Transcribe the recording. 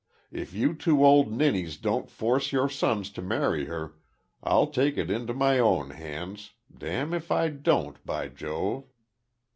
If you two old ninnies don't force your sons to marry her, I'll take it into my own hands, damme if I don't, by Jove!"